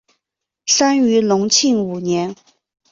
生于隆庆五年。